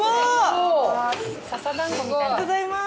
ありがとうございます！